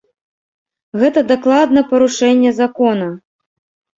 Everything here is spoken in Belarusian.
Гэта дакладна парушэнне закона!